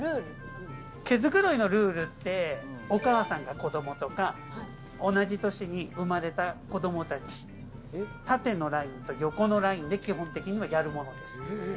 毛づくろいのルールって、お母さんが子供とか、同じ年に生まれた子供たち、縦のラインと横のラインで、基本的にはやるものです。